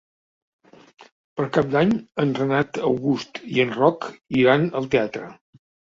Per Cap d'Any en Renat August i en Roc iran al teatre.